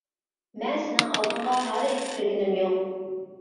مەن سېنىڭ ئالدىڭغا ھال ئېيتىپ كىرگىنىم يوق.